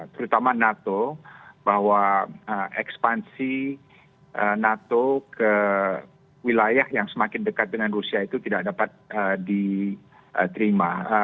terutama nato bahwa ekspansi nato ke wilayah yang semakin dekat dengan rusia itu tidak dapat diterima